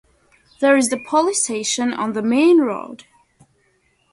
There is a police station on the main road.